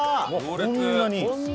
こんなに？